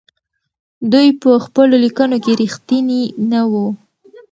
دوی په خپلو ليکنو کې رښتيني نه وو.